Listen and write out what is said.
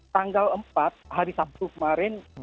tanggal empat hari sabtu kemarin